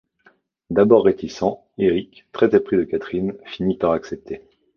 D'abord réticent, Éric, très épris de Catherine, finit par accepter...